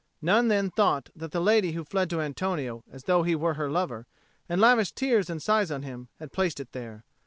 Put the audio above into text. None then thought that the lady who fled to Antonio as though he were her lover, and lavished tears and sighs on him, had placed it there.